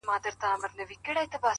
د سر په سترگو چي هغه وينمه!